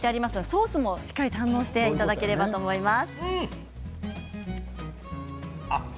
ソースもしっかり堪能していただければと思います。